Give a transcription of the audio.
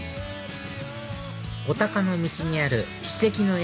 お鷹の道にある史跡の駅